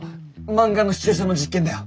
漫画のシチュエーションの実験だよ。